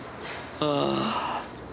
ああ。